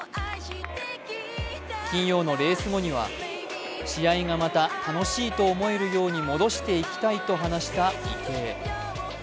金曜のレース後には試合がまた楽しいと思えるように戻していきたいと話した池江。